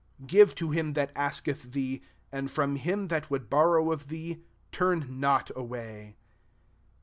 42 Give to him that ask eth thee; and from him that would borrow of thee, turn not away.